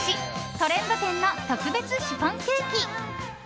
トレンド店の特別シフォンケーキ。